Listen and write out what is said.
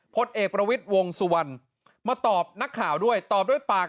พลเอกประวิทย์วงสุวรรณมาตอบนักข่าวด้วยตอบด้วยปาก